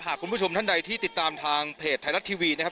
คุณผู้ชมท่านใดที่ติดตามทางเพจไทยรัฐทีวีนะครับ